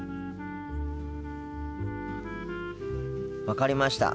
分かりました。